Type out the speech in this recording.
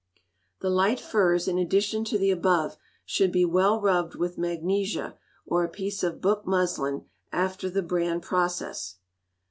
The light furs, in addition to the above, should be well rubbed with magnesia, or a piece of book muslin, after the bran process.